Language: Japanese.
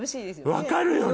分かるよね？